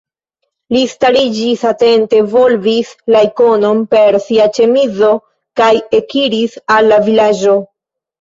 Li stariĝis, atente volvis la ikonon per sia ĉemizo kaj ekiris al la vilaĝo.